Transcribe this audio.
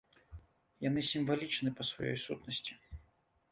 Яны сімвалічны па сваёй сутнасці.